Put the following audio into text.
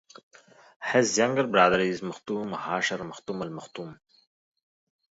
His younger brother is Maktoum Hasher Maktoum Al Maktoum.